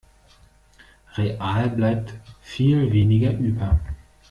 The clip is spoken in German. Real bleibt viel weniger über.